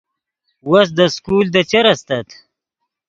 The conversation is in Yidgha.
وس دے سکول دے چر استت